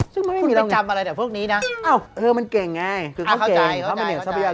คุณไม่จำอะไรแต่พวกนี้นะเอ้าเค้าเข้าใจเค้าเข้าใจ